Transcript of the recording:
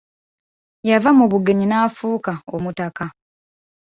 Yava mu bugenyi n'afuuka omutaka.